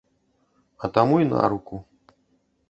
А таму й наруку.